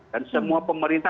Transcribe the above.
dan semua pemerintah